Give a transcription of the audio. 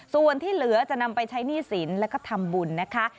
ส่วนที่เหลือจะนำไปใช้หนี้สินแล้วก็ทำบุญนะคะ